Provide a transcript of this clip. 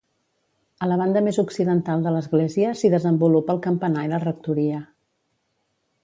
A la banda més occidental de l'església s'hi desenvolupa el campanar i la rectoria.